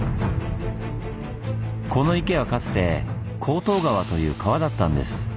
この池はかつて香東川という川だったんです。